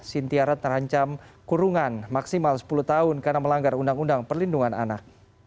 sintiara terancam kurungan maksimal sepuluh tahun karena melanggar undang undang perlindungan anak